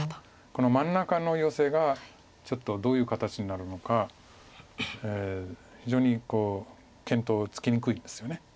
この真ん中のヨセがちょっとどういう形になるのか非常に検討つきにくいんですよね。